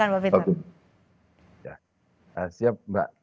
maaf saya ke pak pinter dulu silahkan pak pinter